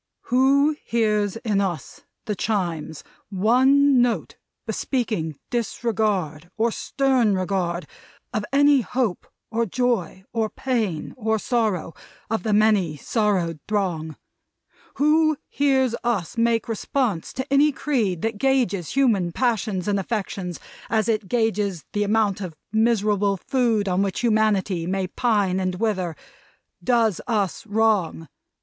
"Who hears in us, the Chimes, one note bespeaking disregard, or stern regard, of any hope, or joy, or pain, or sorrow, of the many sorrowed throng; who hears us make response to any creed that gauges human passions and affections, as it gauges the amount of miserable food on which humanity may pine and wither; does us wrong.